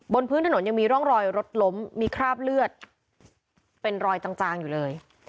บนพื้นถนนยังมีร่องรอยรถล้มมีคราบเลือดเป็นรอยจางอยู่เลย